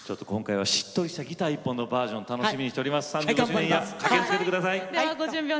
しっとりしたギター１本のバージョン楽しみにしています。